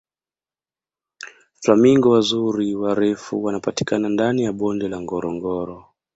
flamingo wazuri warefu wanapatikana ndani ya bonde la ngorongoro